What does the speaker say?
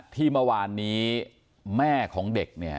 ที่เมื่อวานนี้แม่ของเด็กเนี่ย